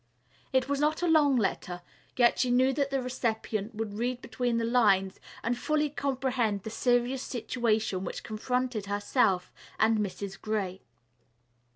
It was not a long letter, yet she knew that the recipient would read between the lines and fully comprehend the serious situation which confronted herself and Mrs. Gray.